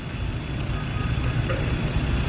thì tôi vô tình